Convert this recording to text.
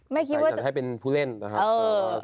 ไม่อยากให้เป็นผู้เล่นนะครับ